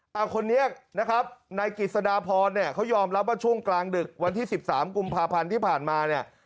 เอาคนนี้นะครับนายกิจสดาพรเนี่ยเขายอมรับว่าช่วงกลางดึกวันที่๑๓กุมภาพันธ์ที่ผ่านมาเนี่ย